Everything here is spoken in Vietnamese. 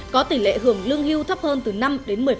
có tỷ lệ hưởng lương hưu thấp hơn từ năm